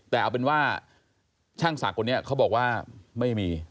แต่เอาเป็นว่าช่างศักดิ์คนนี้เขาบอกว่าไม่มี